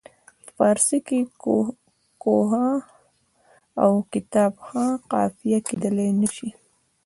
په فارسي کې کوه ها او کتاب ها قافیه کیدلای نه شي.